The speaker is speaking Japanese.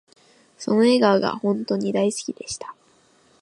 その笑顔が本とに大好きでした